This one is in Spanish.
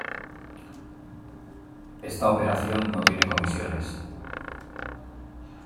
Esta operación no tiene comisiones